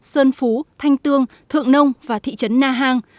tân phú thanh tương thượng nông và thị trấn nha hàng